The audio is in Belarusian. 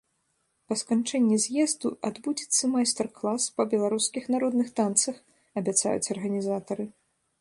Па сканчэнні з'езду адбудзецца майстар-клас па беларускіх народных танцах, абяцаюць арганізатары.